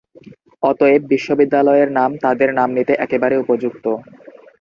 অতএব, বিশ্ববিদ্যালয়ের নাম, তাদের নাম নিতে একেবারে উপযুক্ত।